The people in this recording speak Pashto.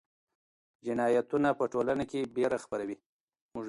جنایتونه په ټولنه کې ویره خپروي.